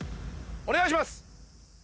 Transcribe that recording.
お願いします！